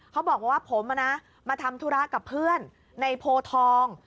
เขาบอกว่าผมมาทำธุระกับเพื่อนในโพทอง